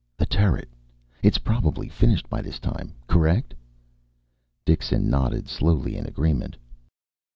"The turret. It's probably finished by this time. Correct?" Dixon nodded slowly in agreement.